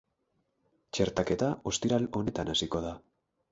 Txertaketa ostiral honetan hasiko da.